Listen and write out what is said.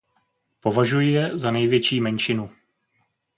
Považuji je za největší menšinu.